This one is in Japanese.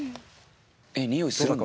えっにおいするんだ？